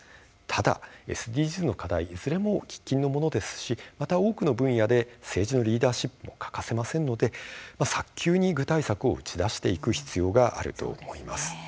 ただ、ＳＤＧｓの課題いずれも喫緊のものですしまた、多くの分野で政治のリーダーシップが欠かせませんので早急に具体策を打ち出していく必要があると思います。